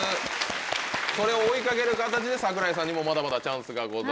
それを追い掛ける形で桜井さんもまだまだチャンスがございます。